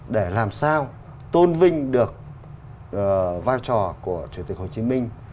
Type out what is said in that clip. để làm sao tôn vinh được vai trò của chủ tịch hồ chí minh